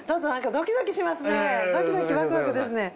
ドキドキワクワクですね。